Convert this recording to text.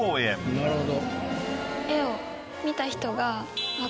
なるほど。